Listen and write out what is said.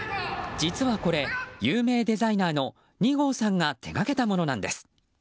実はこれ、有名デザイナーのＮＩＧＯさんが手がけたものなんです。